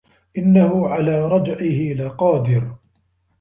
إِنَّهُ عَلى رَجعِهِ لَقادِرٌ